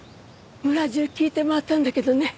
村中聞いて回ったんだけどね。